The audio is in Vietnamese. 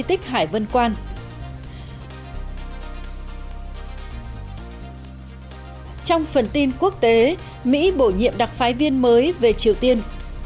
trong phần tin quốc tế mỹ bổ nhiệm đặc phái viên mới về triều tiên